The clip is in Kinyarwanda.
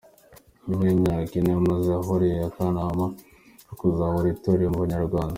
Nyuma y’imyaka ine yari amaze akuriye akanama ko kuzahura Itorero mu Banyarwanda.